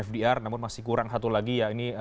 fdr namun masih kurang satu lagi ya ini